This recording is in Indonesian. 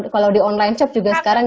kalau di online chef juga sekarang